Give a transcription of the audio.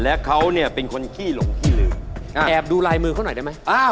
เอาละไง